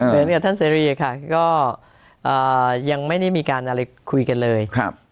เหมือนกับท่านเสรีค่ะก็ยังไม่ได้มีการอะไรคุยกันเลย